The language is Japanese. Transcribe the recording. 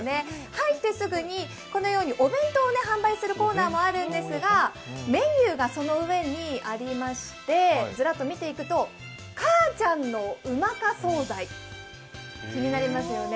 入ってすぐにこのようにお弁当を販売するコーナーもあるんですが、メニューがその上にありまして、ずらっと見ていくと母ちゃんのうまか惣菜、気になりますよね。